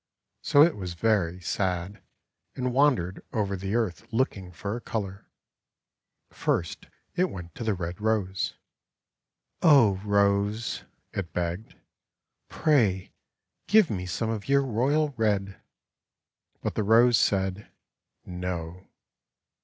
So it was very sad and wandered over the earth look ing for a colour. First it went to the Red Rose. :<Oh, Rose," it begged, "pray give me some of your royal red," but the Rose said 'No."